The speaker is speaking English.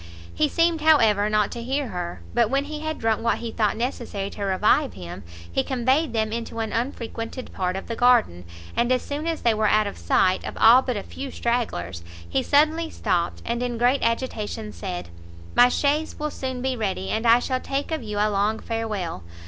He seemed, however, not to hear her; but when he had drunk what he thought necessary to revive him, he conveyed them into an unfrequented part of the garden, and as soon as they were out of sight of all but a few stragglers, he suddenly stopt, and, in great agitation, said, "my chaise will soon be ready, and I shall take of you a long farewell!